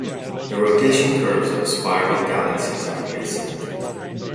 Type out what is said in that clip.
The rotation curves of spiral galaxies are asymmetric.